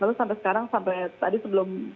lalu sampai sekarang sampai tadi sebelum